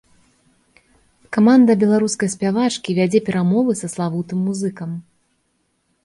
Каманда беларускай спявачкі вядзе перамовы са славутым музыкам.